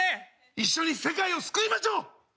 一緒に世界を救いましょう！